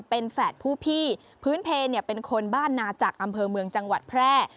เป็นแฝดผู้พี่พื้นเพลเป็นคนบ้านนาจักรอำเภอเมืองจังหวัดแพร่